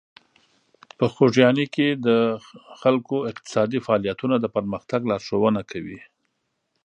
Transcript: په خوږیاڼي کې د خلکو اقتصادي فعالیتونه د پرمختګ لارښوونه کوي.